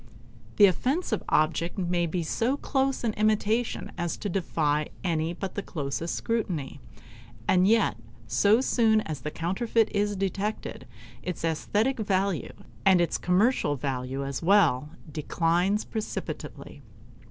The offensive object may be so close an imitation as to defy any but the closest scrutiny; and yet so soon as the counterfeit is detected, its aesthetic value, and its commercial value as well, declines precipitately.